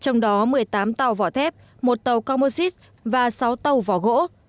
trong đó một mươi tám tàu vỏ thép một tàu commosis và sáu tàu vỏ gỗ